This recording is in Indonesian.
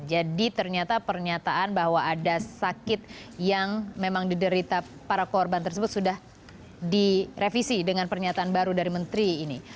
jadi ternyata pernyataan bahwa ada sakit yang memang diderita para korban tersebut sudah direvisi dengan pernyataan baru dari menteri ini